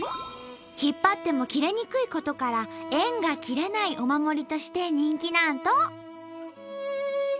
引っ張っても切れにくいことから縁が切れないお守りとして人気なんと！